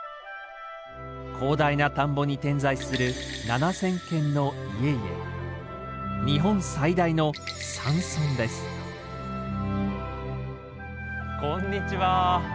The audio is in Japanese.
広大な田んぼに点在する７，０００軒の家々こんにちは。